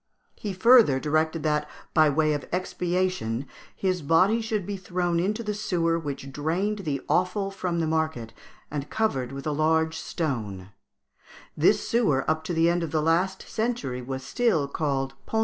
He further directed that, by way of expiation, his body should be thrown into the sewer which drained the offal from the market, and covered with a large stone; this sewer up to the end of the last century was still called Pont Alais.